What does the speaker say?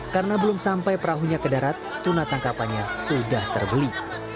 karena belum sampai perahunya ke darat tuna tangkapannya sudah terbeli